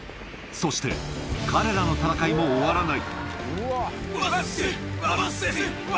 そして、彼らの戦いも終わらない。